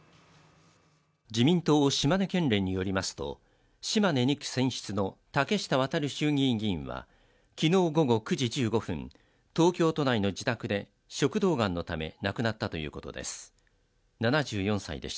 自民党島根県連によりますと、島根２区選出の竹下亘衆議院議員は昨日午後９時１５分、東京都内の自宅で食道がんのため亡くなったということです。